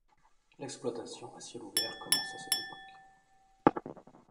L'exploitation à ciel ouvert commence à cette époque.